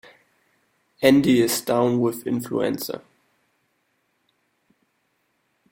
Andy is down with influenza.